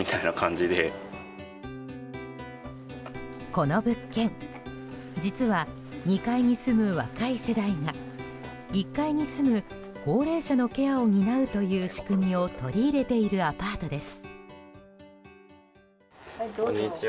この物件実は２階に住む若い世代が１階に住む高齢者のケアを担うという仕組みを取り入れているアパートです。